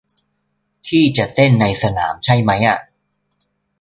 ที่จะเต้นในสนามใช่มั้ยอะ